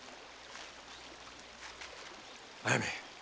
あやめ。